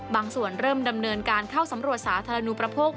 ส่วนเริ่มดำเนินการเข้าสำรวจสาธารณูประโภค